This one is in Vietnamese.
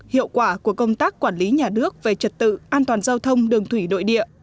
hiệu quả của công tác quản lý nhà nước về trật tự an toàn giao thông đường thủy nội địa